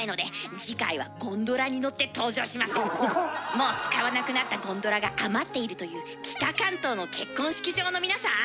もう使わなくなったゴンドラが余っているという北関東の結婚式場の皆さん